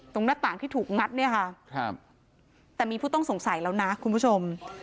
หน้าต่างที่ถูกงัดเนี่ยค่ะครับแต่มีผู้ต้องสงสัยแล้วนะคุณผู้ชม